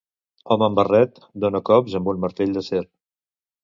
Home amb barret dona cops amb un martell d'acer.